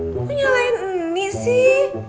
kok nyalain ini sih